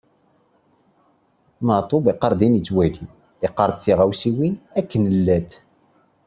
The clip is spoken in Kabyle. Tessullimt?